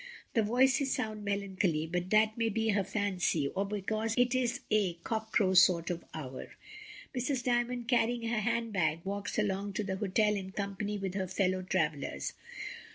The voices sound melancholy, but that may be her fancy, or because it is a cock crow sort of hour. Mrs. Dymond carrying her hand bag walks along to the hotel in company with her fellow travellers.